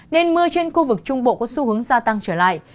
nên mưa trên khu vực trung bộ có xu hướng gia tăng trở lại